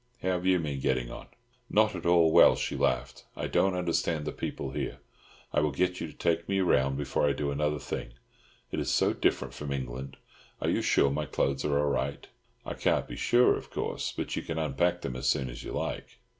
How have you been getting on?" "Not at all well," she laughed. "I don't understand the people here. I will get you to take me round before I do another thing. It is so different from England. Are you sure my clothes are all right?" "I can't be sure, of course, but you can unpack them as soon as you like."